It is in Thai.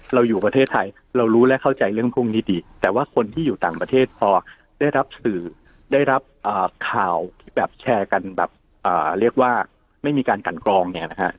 เราอยู่ประเทศไทยเรารู้และเข้าใจเรื่องพวกนี้ดีแต่ว่าคนที่อยู่ต่างประเทศพอได้รับสื่อได้รับข่าวที่แบบแชร์กันแบบเรียกว่าไม่มีการกันกรองเนี่ยนะฮะ